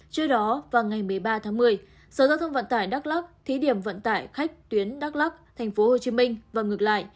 trước đó vào ngày một mươi ba tháng một mươi sở giao thông vận tải đắk lắc thí điểm vận tải khách tuyến đắk lắk tp hcm và ngược lại